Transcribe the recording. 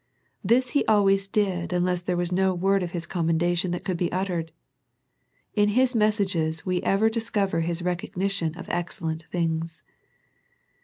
This He al ways did unless there were no word of com mendation that could be uttered. In His mes sages we ever discover His recognition of ex cellent things.